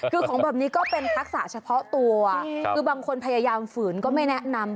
คือของแบบนี้ก็เป็นทักษะเฉพาะตัวคือบางคนพยายามฝืนก็ไม่แนะนำ